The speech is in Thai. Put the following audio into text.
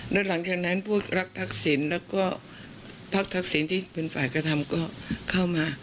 แล้วหลังจากนั้นพวกรักทักศิลป์แล้วก็พักทักษิณที่เป็นฝ่ายกระทำก็เข้ามา